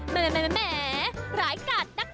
แหมหลายกาดนัก